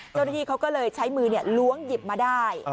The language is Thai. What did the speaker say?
เจ้าหน้าที่เขาก็เลยใช้มือล้วงหยิบมาได้